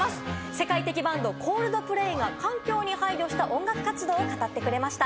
世界的バンド、コールドプレイが環境に配慮した音楽活動を語ってくれました。